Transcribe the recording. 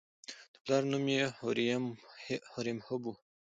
د پلار نوم یې هوریم هب و.